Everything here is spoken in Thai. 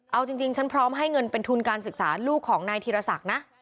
เอาจริงฉันพร้อมให้เงินเป็นทุนการศึกษาลูกของนายธีรศักดิ์นะ